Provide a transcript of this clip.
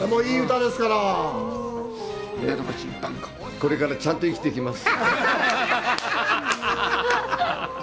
これからちゃんと生きていきます。